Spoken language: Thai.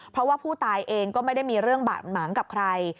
เพราะว่าผู้ตายเองก็ไม่ได้มีเรื่องบาดหมางกับใคร